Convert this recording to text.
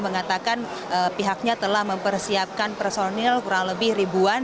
mengatakan pihaknya telah mempersiapkan personil kurang lebih ribuan